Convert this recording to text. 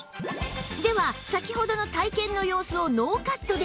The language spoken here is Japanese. では先ほどの体験の様子をノーカットで！